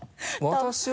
私は。